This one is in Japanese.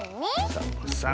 サボさん。